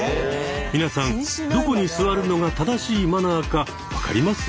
皆さんどこに座るのが正しいマナーか分かります？